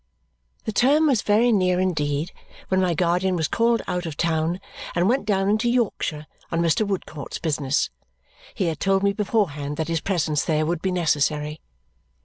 The term was very near indeed when my guardian was called out of town and went down into Yorkshire on Mr. Woodcourt's business. He had told me beforehand that his presence there would be necessary.